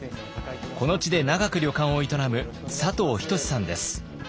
この地で長く旅館を営む佐藤仁さんです。